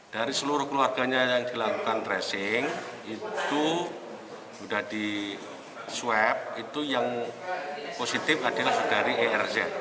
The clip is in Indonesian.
dari seluruh keluarganya yang dilakukan tracing itu sudah di swab itu yang positif adalah dari erz